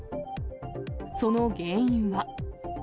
その原因は。